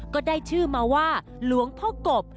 ก็ได้ชื่อมาว่าหลวงพ่อกบ